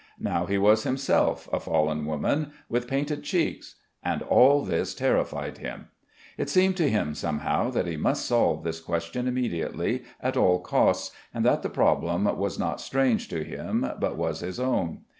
Now he was himself a fallen woman, with painted cheeks; and all this terrified him. It seemed to him somehow that he must solve this question immediately, at all costs, and that the problem was not strange to him, but was his own.